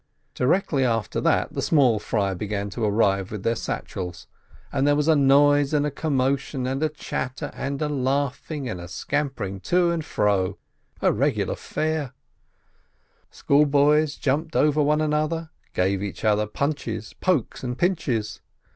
Directly after that the small fry began to arrive with their satchels, and there was a noise and a commotion and a chatter and a laughing and a scampering to and fro — a regular fair! School boys jumped over one another, gave each other punches, pokes, and pinches.